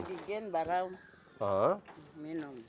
kita bisa isi di gin barau minum